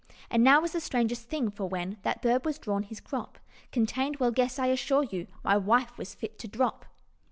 And now was the strangest thing, for when That bird was drawn, his crop Contained well, guess? I assure you, My wife was fit to drop.